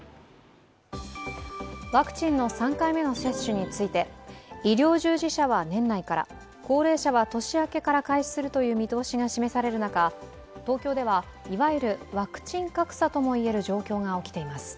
ワクチンの３回目の接種について医療従事者は年内から高齢者は年明けから開始するという見通しが示される中、東京ではいわゆるワクチン格差とも言える状況が起きています。